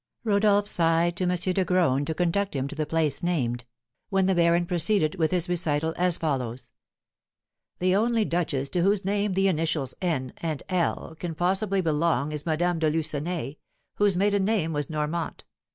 Rodolph signed to M. de Graün to conduct him to the place named, when the baron proceeded with his recital, as follows: "The only duchess to whose name the initials 'N.' and 'L.' can possibly belong is Madame de Lucenay, whose maiden name was Normant.